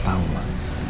al tau ma